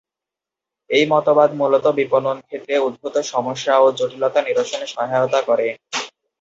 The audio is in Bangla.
এই মতবাদ মূলত বিপণন ক্ষেত্রে উদ্ভূত সমস্যা ও জটিলতা নিরসনে সহায়তা করে।